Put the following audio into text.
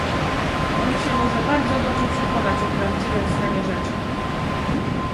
"On się może bardzo dobrze przekonać o prawdziwym stanie rzeczy."